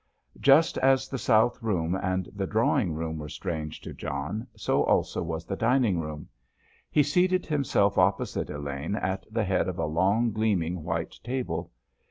Just as the south room and the drawing room were strange to John, so also was the dining room. He seated himself opposite Elaine at the head of a long gleaming white table.